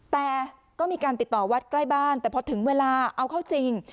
แต่ก็มีการติดต่อวัดใกล้บ้านแต่พอถึงเวลาเอาเข้าจริง